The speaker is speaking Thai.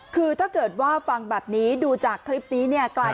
คือถ้าเกิดว่าฟังแบบนี้ดูจากคลิปนี้เนี่ยกลาย